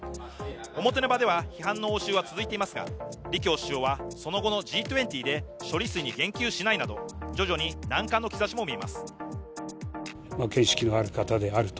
表の場では批判の応酬は続いていますが李強首相はその後のＧ２０で処理水に言及しないなど、徐々に軟化の兆しも見えます。